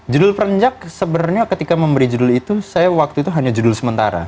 judul perenjak sebenarnya ketika memberi judul itu saya waktu itu hanya judul sementara